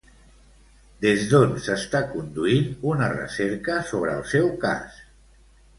Des d'on s'està conduint una recerca sobre el seu cas?